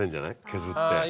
削って。